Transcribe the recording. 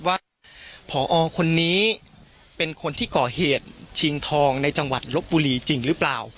ว่าพอคนนี้เป็นคนที่ก่อเหตุชิงทองในจังหวัดลบบุรีจริงหรือเปล่า